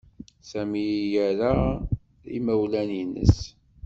Sami ira imawlan-nnes.